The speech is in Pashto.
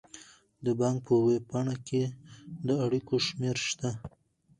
د بانک په ویب پاڼه کې د اړیکو شمیرې شته.